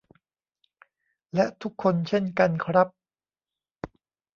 และทุกคนเช่นกันครับ